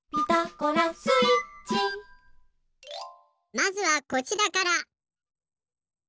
まずはこちらから。